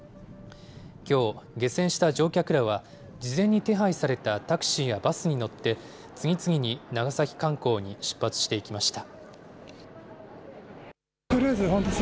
きょう、下船した乗客らは、事前に手配されたタクシーやバスに乗って、次々に長崎観光に出発していきました。